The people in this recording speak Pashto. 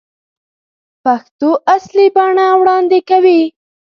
پېښو اصلي بڼه وړاندې کوي.